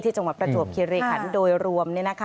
จังหวัดประจวบคิริขันโดยรวม